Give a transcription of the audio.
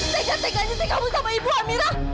tegak tegaknya sih kamu sama ibu amira